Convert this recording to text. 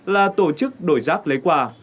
là tổ chức đổi rác lấy quà